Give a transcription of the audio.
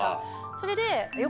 それで。